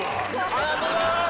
ありがとうございます！